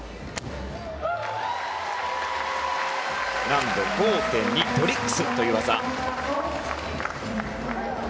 難度５．２ドリックスという技。